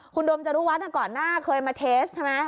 คุณโดมจรุวัฒน์ก่อนหน้าเคยมาเทสใช่ไหม